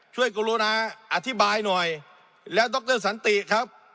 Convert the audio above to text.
กรุณาอธิบายหน่อยแล้วดรสันติครับ